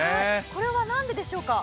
これは、なんででしょうか？